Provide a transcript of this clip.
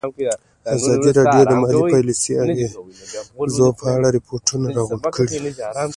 ازادي راډیو د مالي پالیسي د اغېزو په اړه ریپوټونه راغونډ کړي.